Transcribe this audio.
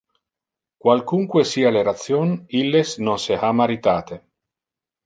Qualcunque sia le ration, illes non se ha maritate.